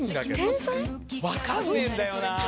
わかんねえんだよな。